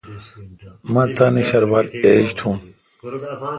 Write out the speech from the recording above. مہ تان شربال ایج تھون۔